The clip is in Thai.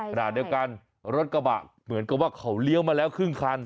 ขณะเดียวกันรถกระบะเหมือนกับว่าเขาเลี้ยวมาแล้วครึ่งคัน